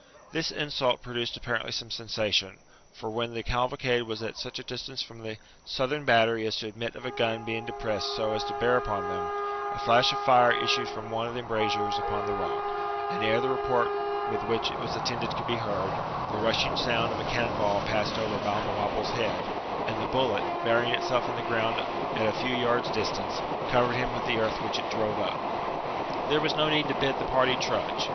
This insult produced apparently some sensation; for when the cavalcade was at such distance from the southern battery as to admit of a gun being depressed so as to bear upon them, a flash of fire issued from one of the embrazures upon the rock; and ere the report with which it was attended could be heard, the rushing sound of a cannon ball passed over Balmawhapple's head, and the bullet, burying itself in the ground at a few yards' distance, covered him with the earth which it drove up. There was no need to bid the party trudge.